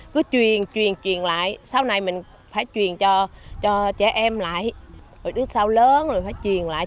cứ truyền truyền lại sau này mình phải truyền cho trẻ em lại rồi đứa sau lớn rồi phải truyền lại